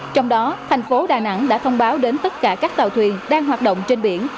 trong đó thành phố đà nẵng đã thông báo đến tất cả các tàu thuyền đang hoạt động trên biển